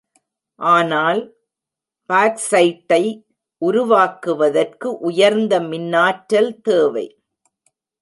ஆனால் பாக்சைட்டை உருக்குவதற்கு உயர்ந்த மின்னாற்றல் தேவை.